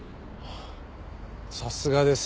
さすがです。